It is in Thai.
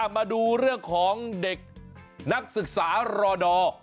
มาดูเรื่องของเด็กนักศึกษารอดอร์